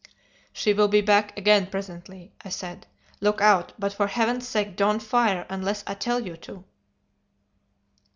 "'She will be back again presently,' I said; 'look out, but for Heaven's sake don't fire unless I tell you to.